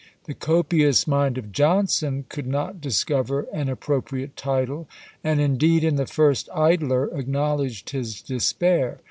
The copious mind of Johnson could not discover an appropriate title, and indeed in the first "Idler" acknowledged his despair.